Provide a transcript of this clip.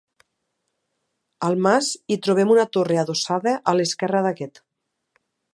Al mas hi trobem una torre adossada a l'esquerra d'aquest.